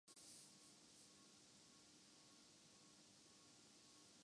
Pakistan junior hockey team کے دو سگے بھائی جرمن کلب کے ساتھ منسلک